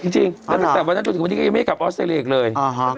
ตั้งแต่วันนั้นจนถึงวันนี้ก็ยังไม่กลับออสเตรเลอีกเลย